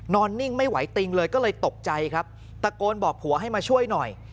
นิ่งไม่ไหวติงเลยก็เลยตกใจครับตะโกนบอกผัวให้มาช่วยหน่อย